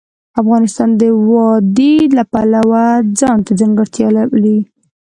افغانستان د وادي د پلوه ځانته ځانګړتیا لري.